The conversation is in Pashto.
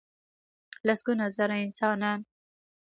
لسګونه زره انسانان .